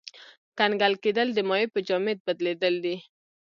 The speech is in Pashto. کنګل کېدل د مایع په جامد بدلیدل دي.